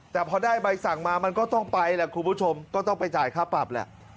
แต่พอได้ใบสั่งมามันก็ต้องไปแหละคุณผู้ชมก็ต้องไปจ่ายค่าปรับแหละ